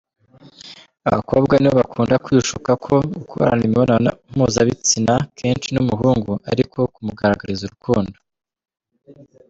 Abakobwa nibo bakunda kwishuka ko gukorana imibonano mpuzabitsina kenshi ni umuhungu ariko kumugaragariza urukundo.